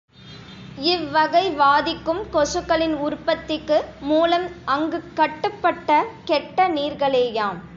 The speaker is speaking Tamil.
இவ்வகை வாதிக்கும் கொசுக்களின் உற்பத்திக்கு மூலம் அங்கங்குக் கட்டுப்பட்ட கெட்ட நீர்களேயாம்.